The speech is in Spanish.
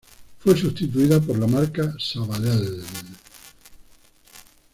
Fue sustituida por la marca Sabadell.